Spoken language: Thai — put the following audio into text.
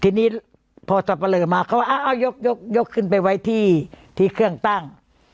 ทีนี้พอสับประโลยมาเขาว่าอะอะยกยกยกขึ้นไปไว้ที่ที่เครื่องตั้ง